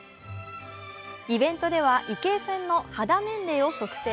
イベントでは池江さんの肌年齢を測定。